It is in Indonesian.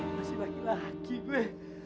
masih lagi lagi gue